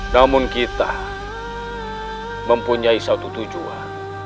namun kita mempunyai satu tujuan